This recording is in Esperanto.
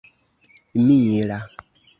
mila